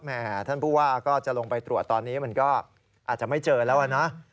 ท่านผู้ว่าก็จะลงไปตรวจตอนนี้มันก็อาจจะไม่เจอแล้วนะ